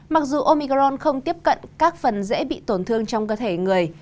mặc dù omicron không tiếp cận các phần dễ bị tổn thương trong cơ thể người